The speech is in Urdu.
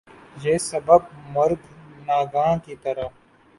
بے سبب مرگ ناگہاں کی طرح